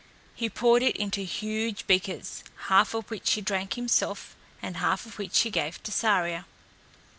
He poured it into huge beakers, half of which he drank himself, and half of which he gave to Saria.